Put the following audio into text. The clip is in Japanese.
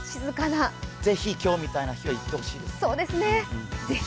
ぜひ、今日みたいな日は行っていただきたいです。